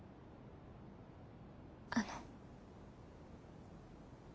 あの。